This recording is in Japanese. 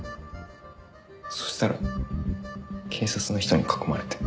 そしたら警察の人に囲まれて。